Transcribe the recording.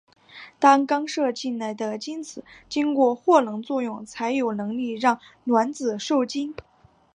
当刚射进来的精子经过获能作用才有能力让卵子授精。